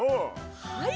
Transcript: はい！